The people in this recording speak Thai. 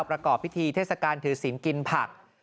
ประกอบพิธีเทศกาลถือศิลป์กินผัก